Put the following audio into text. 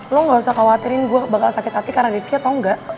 lo gak usah khawatirin gue bakal sakit hati karena dikit atau enggak